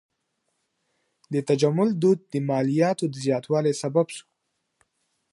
د تجمل دود د مالیاتو د زیاتوالي سبب سو.